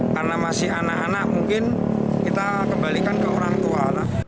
karena masih anak anak mungkin kita kembalikan ke orang tua